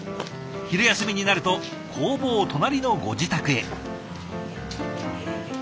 昼休みになると工房隣のご自宅へ。